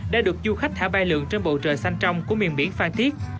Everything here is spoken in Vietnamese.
đã được du khách thả bay lượng trên bộ trời xanh trong của miền biển phan tiết